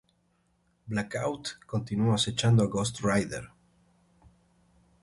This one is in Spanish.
Blackout continuó acechando a Ghost Rider.